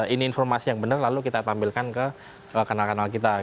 ini informasi yang benar lalu kita tampilkan ke kanal kanal kita